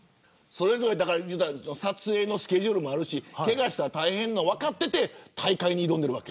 それぞれ撮影のスケジュールもあるしけがしたら大変なの分かっていて大会に挑んでるわけ。